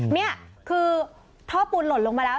นี่คือท่อปูนหล่นลงมาแล้ว